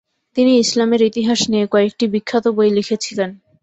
তিনি ইসলামের ইতিহাস নিয়ে কয়েকটি বিখ্যাত বই লিখেছিলেন।